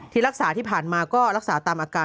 รักษาที่ผ่านมาก็รักษาตามอาการ